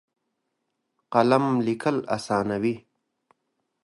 قلم لیکل اسانوي.